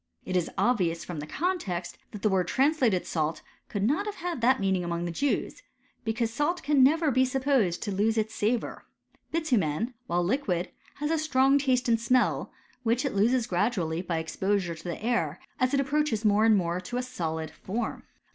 It is obvious from the con text, that the word translated salt could not have had that meaning among the Jews ; because salt never can. be supposed to lose its savour. Bitumen, while liquid, has a strong taste and smell, which it loses gradually by exposure to the air, as it approaches more and more to a solid form.